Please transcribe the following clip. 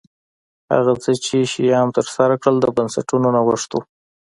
هغه څه چې شیام ترسره کړل د بنسټونو نوښت و